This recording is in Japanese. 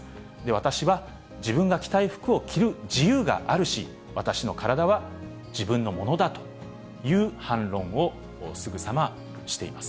私は、自分が着たい服を着る自由があるし、私の体は自分のものだという反論をすぐさましています。